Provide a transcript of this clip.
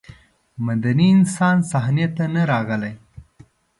مدني انسان صحنې ته نه راغلی.